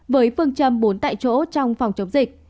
với phương châm bốn tại chỗ trong phòng chống dịch